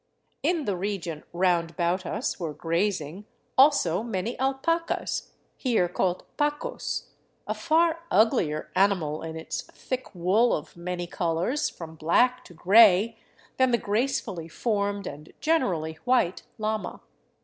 In the region round about us were grazing, also, many alpacas — here called pacos — a far uglier ani mal in its thick wool of many colors, from black to gray, than the gracefully formed and generally white llama.